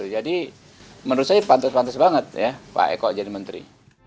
jadi menurut saya pantas pantas banget ya pak eko jadi menteri